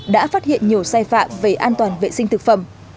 đã phát hiện nhiều sai phạm về an toàn vệ sinh thực phẩm